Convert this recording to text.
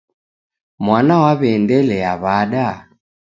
Mwana waw'eendelea wada?